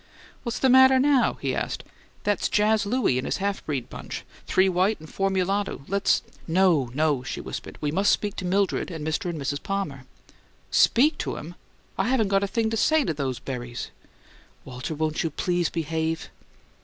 "What's the matter now?" he asked. "That's Jazz Louie and his half breed bunch three white and four mulatto. Let's ?" "No, no," she whispered. "We must speak to Mildred and Mr. and Mrs. Palmer." "'Speak' to 'em? I haven't got a thing to say to THOSE berries!" "Walter, won't you PLEASE behave?"